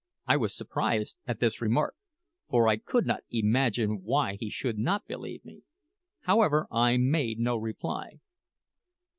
I was surprised at this remark, for I could not imagine why he should not believe me. However, I made no reply.